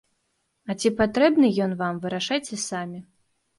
А ці патрэбны ён вам, вырашайце самі.